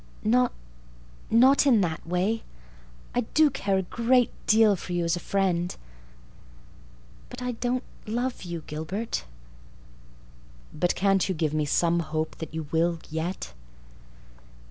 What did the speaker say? "Not—not in that way. I do care a great deal for you as a friend. But I don't love you, Gilbert." "But can't you give me some hope that you will—yet?"